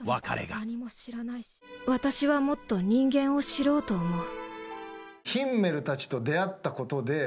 私はもっと人間を知ろうと思う。